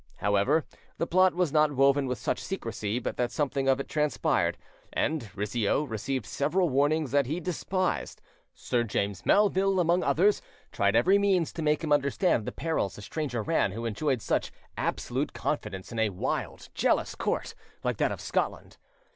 However, the plot was not woven with such secrecy but that something of it transpired; and Rizzio received several warnings that he despised. Sir James Melville, among others, tried every means to make him understand the perils a stranger ran who enjoyed such absolute confidence in a wild, jealous court like that of Scotland.